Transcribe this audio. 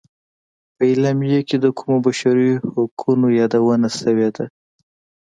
په اعلامیه کې د کومو بشري حقونو یادونه شوې ده.